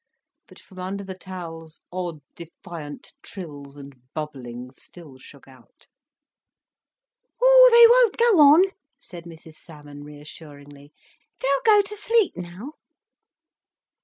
But from under the towels odd defiant trills and bubblings still shook out. "Oh, they won't go on," said Mrs Salmon reassuringly. "They'll go to sleep now."